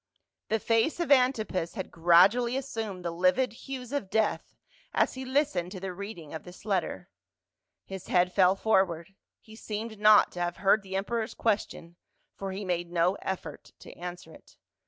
The face of Antipas had gradually assumed the livid hues of death as he listened to the reading of this letter. His head fell forward ; he seemed not to have heard the emperor's question for he made no effort to answer it.